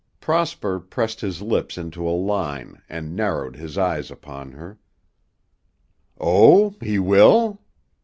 Prosper pressed his lips into a line and narrowed his eyes upon her. "Oh, he will?"